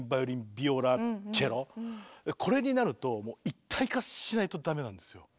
これになるともう一体化しないと駄目なんですよ。